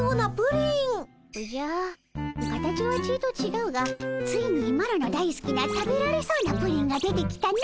おじゃ形はちいとちがうがついにマロのだいすきな食べられそうなプリンが出てきたの。